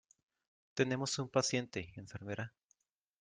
Tenemos un paciente, enfermera.